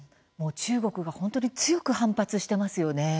中国が本当に強く反発していますよね。